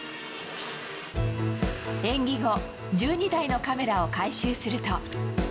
演技後、１２台のカメラを回収すると。